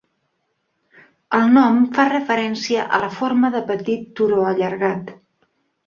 El nom fa referència a la forma de petit turó allargat.